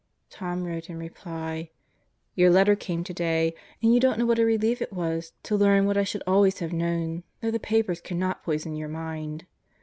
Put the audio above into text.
Tom wrote in reply: Your letter came today and you don't know what a relief it was to learn what I should always have known that the papers cannot poison your mind.